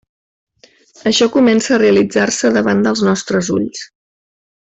Això comença a realitzar-se davant dels nostres ulls.